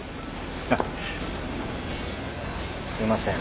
すいません。